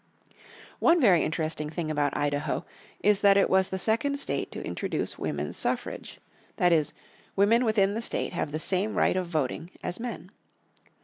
One very interesting thing about Idaho is that it was the second state to introduce women's suffrage. That is, women within the state have the same right of voting as men.